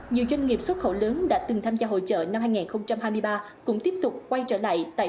nhiều doanh nghiệp xuất khẩu lớn đã từng tham gia hội trợ năm hai nghìn hai mươi ba cũng tiếp tục quay trở lại tại